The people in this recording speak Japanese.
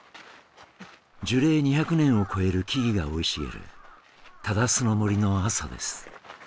樹齢２００年を超える木々が生い茂る糺の森の朝です。